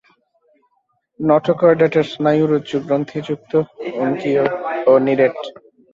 নটোকর্ডাটার স্নায়ুরজ্জু গ্রন্থিযুক্ত, অঙ্কীয় ও নিরেট।